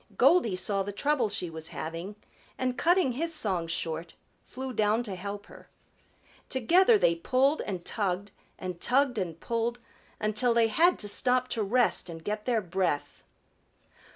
Goldy saw the trouble she was having and cutting his song short, flew down to help her. Together they pulled and tugged and tugged and pulled, until they had to stop to rest and get their breath.